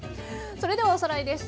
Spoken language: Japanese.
それではおさらいです。